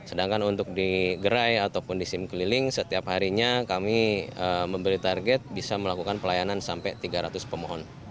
sedangkan untuk di gerai ataupun di sim keliling setiap harinya kami memberi target bisa melakukan pelayanan sampai tiga ratus pemohon